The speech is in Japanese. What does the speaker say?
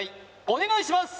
お願いします